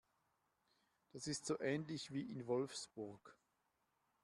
Das ist so ähnlich wie in Wolfsburg